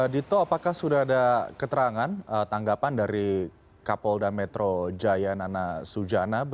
dito apakah sudah ada keterangan tanggapan dari kapolda metro jaya nana sujana